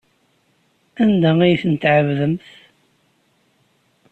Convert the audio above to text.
Anda ay tent-tɛebdemt?